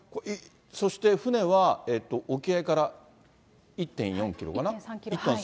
そして船は沖合から１．４キロかな。